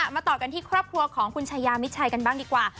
มาต่อกันที่ครอบครัวของคุณชายามิดชัยกันบ้างดีกว่า